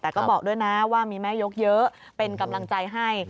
แต่ก็บอกด้วยนะว่ามีแม่ยกเยอะเป็นกำลังใจให้